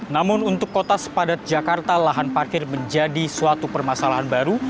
namun untuk kota sepadat jakarta lahan parkir menjadi suatu permasalahan baru